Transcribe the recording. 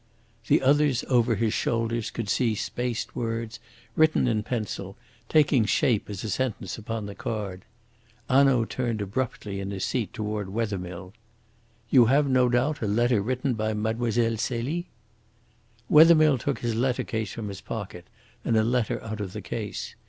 The others over his shoulders could see spaced words, written in pencil, taking shape as a sentence upon the card. Hanaud turned abruptly in his seat toward Wethermill. "You have, no doubt, a letter written by Mlle. Celie?" Wethermill took his letter case from his pocket and a letter out of the case.